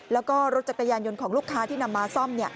แล้วก็รถจักรยานยนต์ของลูกค้าที่นำมาซ่อม